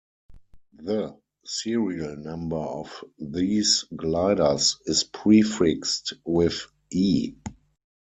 The serial number of these gliders is prefixed with "E".